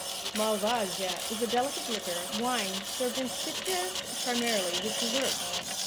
Malvasia is a delicate liquor wine served in Sitges, primarily with dessert.